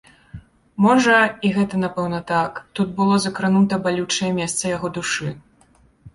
Можа, і гэта напэўна так, тут было закранута балючае месца яго душы.